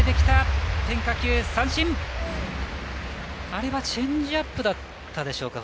あれはチェンジアップだったでしょうか？